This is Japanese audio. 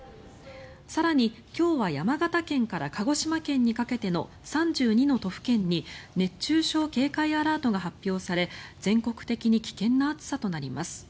更に、今日は山形県から鹿児島県にかけての３２の都府県に熱中症警戒アラートが発表され全国的に危険な暑さとなります。